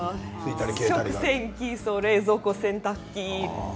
食洗機や冷蔵庫、洗濯機